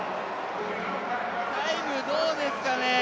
タイムどうですかね。